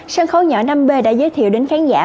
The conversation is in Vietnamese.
sân khấu nhỏ năm b đã giới thiệu đến khán giả